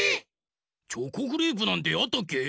チョコクレープなんてあったっけ？